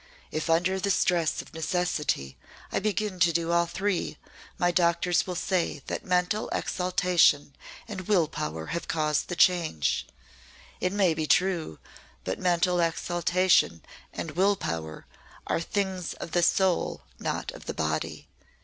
If under the stress of necessity I begin to do all three, my doctors will say that mental exaltation and will power have caused the change. It may be true, but mental exaltation and will power are things of the soul not of the body.